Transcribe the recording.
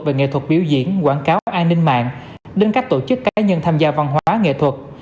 về nghệ thuật biểu diễn quảng cáo an ninh mạng đến các tổ chức cá nhân tham gia văn hóa nghệ thuật